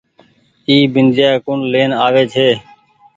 اي بنديآ ڪوڻ لين آوي ڇي۔